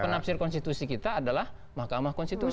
penafsir konstitusi kita adalah mahkamah konstitusi